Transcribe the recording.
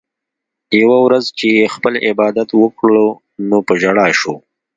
يوه ورځ چې ئې خپل عبادت وکړو نو پۀ ژړا شو